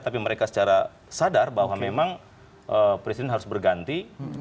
tapi mereka secara sadar bahwa memang presiden harus berganti